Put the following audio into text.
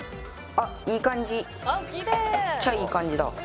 めっちゃいい感じだ。